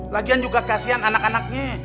lagian juga kasihan anak anaknya